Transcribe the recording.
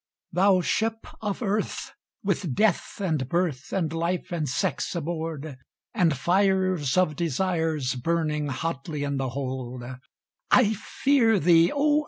"Thou Ship of Earth, with Death, and Birth, and Life, and Sex aboard, And fires of Desires burning hotly in the hold, I fear thee, O!